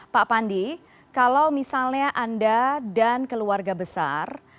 pak pandi kalau misalnya anda dan keluarga besar